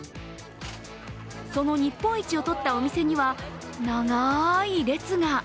その日本一を取ったお店には長い列が。